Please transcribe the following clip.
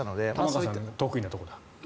玉川さんの得意なところだ。